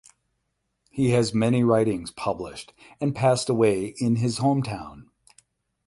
He has many writings published and passed away in his hometown.